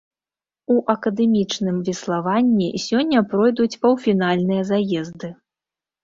У акадэмічным веславанні сёння пройдуць паўфінальныя заезды.